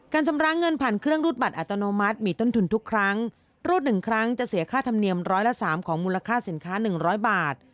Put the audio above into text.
ชำระเงินผ่านเครื่องรูดบัตรอัตโนมัติมีต้นทุนทุกครั้งรูด๑ครั้งจะเสียค่าธรรมเนียมร้อยละสามของมูลค่าสินค้า๑๐๐บาท